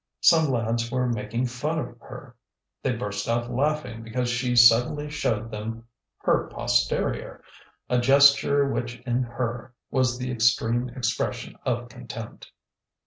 Some lads were making fun of her; they burst out laughing because she suddenly showed them her posterior, a gesture which in her was the extreme expression of contempt.